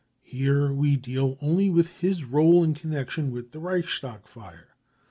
Here we deal only with his role in connection with the Reichstag lire.